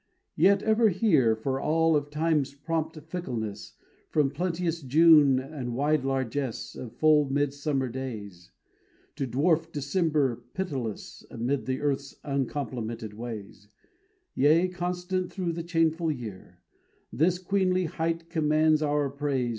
Yet ever here, For all of time's prompt fickleness From plenteous June and wide largess Of full midsummer days, To dwarf December pitiless Amid the earth's uncomplimented ways Yea, constant through the changeful year, This queenly Height commands our praise.